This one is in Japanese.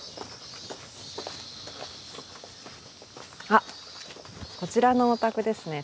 あこちらのお宅ですね。